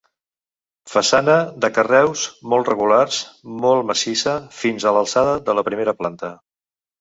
Façana de carreus molt regulars, molt massissa fins a l'alçada de la primera planta.